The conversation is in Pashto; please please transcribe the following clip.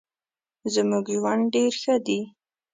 زمونږ ژوند ډیر ښه دې